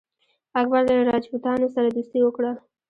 اکبر له راجپوتانو سره دوستي وکړه.